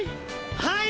はい！